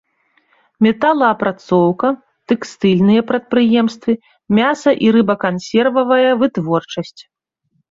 Металаапрацоўка, тэкстыльныя прадпрыемствы, мяса- і рыбакансервавая вытворчасць.